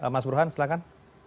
mas buruhan silakan